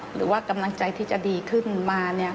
หรือว่ากำลังใจที่จะดีขึ้นมา